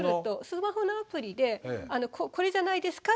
スマホのアプリでこれじゃないですか？